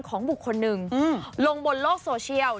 ของบุคคลหนึ่งลงบนโลกโซเชียล